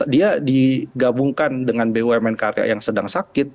dia digabungkan dengan bumn karya yang sedang sakit